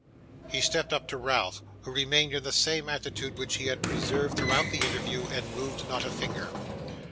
He stepped up to Ralph, who remained in the same attitude which he had preserved throughout the interview, and moved not a finger.